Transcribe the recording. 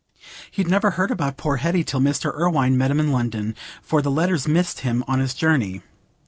He'd never heard about poor Hetty till Mr. Irwine met him in London, for the letters missed him on his journey.